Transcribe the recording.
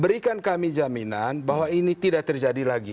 berikan kami jaminan bahwa ini tidak terjadi lagi